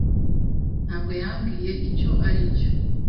Ntabwo yambwiye icyo ari cyo.